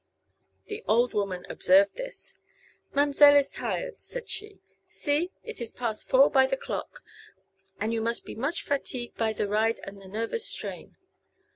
The old woman observed this. "Ma'm'selle is tired," said she. "See; it is past four by the clock, and you must be much fatigue by the ride and the nervous strain."